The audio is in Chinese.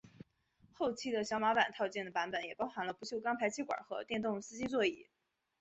后期的小马版套件的版本也包含了不锈钢排气管和电动司机座椅。